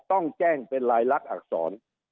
ต้องแจ้งเป็นลายลักษณอักษร